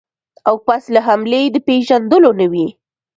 او پس له حملې د پېژندلو نه وي.